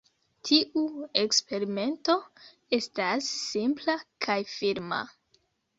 Tiu eksperimento estas simpla kaj firma.